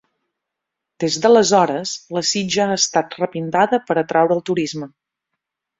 Des d'aleshores, la sitja ha estat repintada per atraure el turisme.